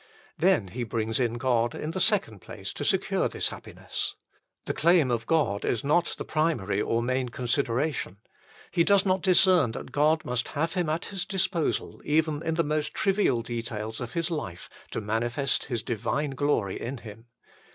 Then he brings in God in the second place to secure this happiness. The claim of God is not the primary or main consideration. He does not discern that God must have him at His disposal even in the most trivial details of HOW EVERYTHING MUST BE GIVEN UP 177 his life to manifest His divine glory in him.